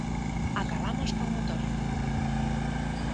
Acabamos con motor.